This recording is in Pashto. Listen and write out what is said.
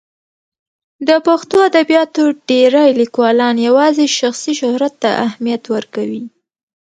د پښتو ادبیاتو ډېری لیکوالان یوازې شخصي شهرت ته اهمیت ورکوي.